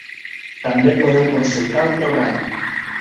També podeu consultar el programa.